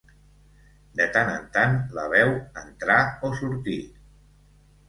De tant en tant la veu entrar o sortir.